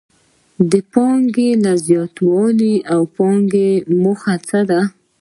د پانګې له زیاتوالي د پانګوال موخه څه ده